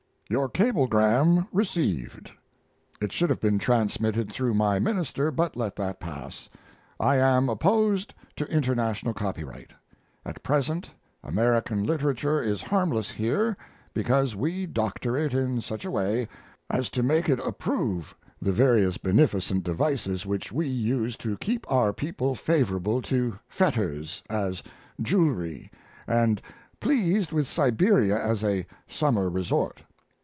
Your cablegram received. It should have been transmitted through my minister, but let that pass. I am opposed to international copyright. At present American literature is harmless here because we doctor it in such a way as to make it approve the various beneficent devices which we use to keep our people favorable to fetters as jewelry and pleased with Siberia as a summer resort.